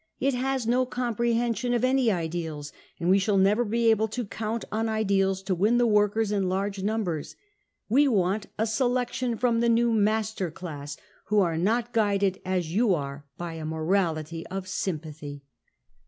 It has no comprehension of any ideals, and we shall never be able to count on ideals to win the workers in large numbers. We want a selec tion from the new master class {!), who are not guided as you are by a morality of sympathy."